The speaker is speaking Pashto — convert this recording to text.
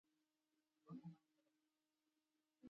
د شرنۍ د بازار چوک ډیر شایسته دي.